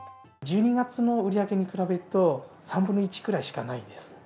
１２月の売り上げに比べると、３分の１くらいしかないです。